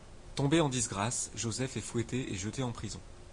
Tombé en disgrâce, Joseph est fouetté et jeté en prison.